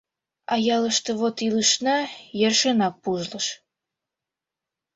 — А ялыште вот илышна йӧршынак пужлыш.